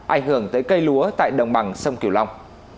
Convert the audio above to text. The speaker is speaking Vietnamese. ảnh hưởng tới cây lúa tại đồng bằng sông kiều long